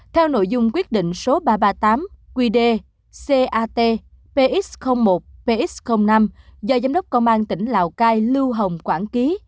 theo nội dung quyết định số ba trăm ba mươi tám qd cat px một px năm do giám đốc công an tỉnh lào cai lưu hồng quản ký